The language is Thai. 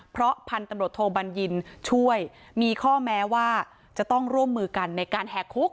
เพราะพันธุ์ตำรวจโทบัญญินช่วยมีข้อแม้ว่าจะต้องร่วมมือกันในการแหกคุก